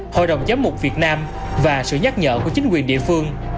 hội đồng giám mục việt nam và sự nhắc nhở của chính quyền địa phương